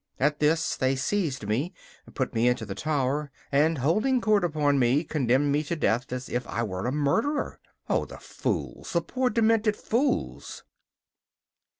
At this they seized me, put me into the tower, and, holding court upon me, condemned me to death as if I were a murderer. Oh, the fools, the poor demented fools!